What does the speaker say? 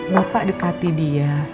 bapak dekati dia